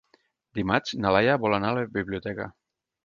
Dimarts na Laia vol anar a la biblioteca.